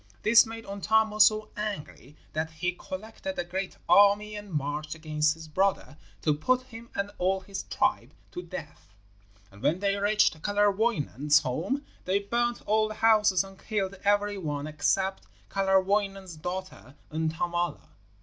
This made Untamo so angry that he collected a great army and marched against his brother to put him and all his tribe to death. And when they reached Kalerwoinen's home they burned all the houses and killed every one except Kalerwoinen's daughter Untamala.